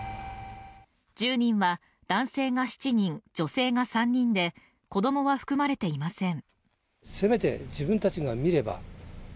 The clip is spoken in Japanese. １０人は、男性が７人、女性が３人で子供は含まれていません。